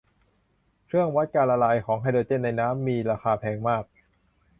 เครื่องวัดการละลายของไฮโดรเจนในน้ำ มีราคาแพงมาก